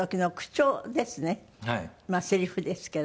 セリフですけど。